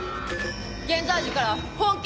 現在時から本件